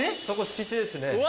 そこ敷地ですね。